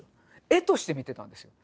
絵として見てたんですよ。